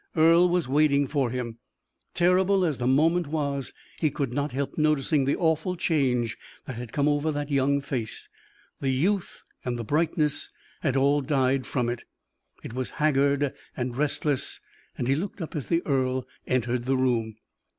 Earle was waiting for him. Terrible as the moment was, he could not help noticing the awful change that had come over that young face: the youth and the brightness had all died from it; it was haggard and restless; he looked up as the earl entered the room.